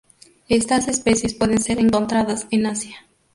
Estas especies pueden ser encontradas en Asia.